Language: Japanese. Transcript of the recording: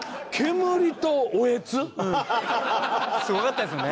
すごかったですよね。